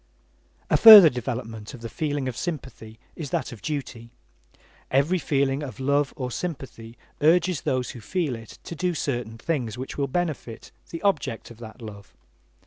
A further development of the feeling of sympathy is that of duty. Every feeling of love or sympathy urges those who feel it to do certain things which will benefit the object of that love.